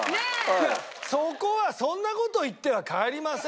いやそこはそんな事言っては帰りませんよ。